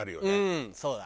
うんそうだ。